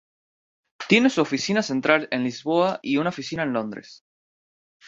Tiene su oficina central en Lisboa y una oficina en Londres.